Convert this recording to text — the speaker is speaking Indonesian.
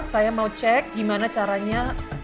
saya mau cek gimana caranya